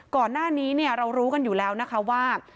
ก่อนหน้านี้เรารู้กันอยู่แล้วนะคะว่า